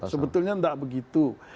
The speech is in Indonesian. sebetulnya nggak begitu